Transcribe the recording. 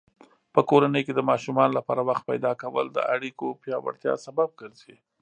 په کورنۍ کې د ماشومانو لپاره وخت پیدا کول د اړیکو پیاوړتیا سبب ګرځي.